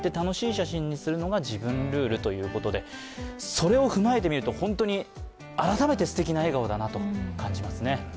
それを踏まえて見ると、改めてすてきな笑顔だなと感じますね。